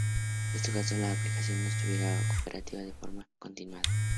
Esto causó que la aplicación no estuviera operativa de forma continuada.